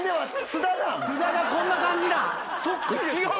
津田がこんな感じなん？